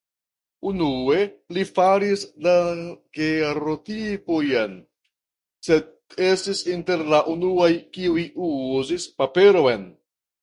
Unue li faris dagerotipiojn sed estis inter la unuaj kiuj uzis paperon.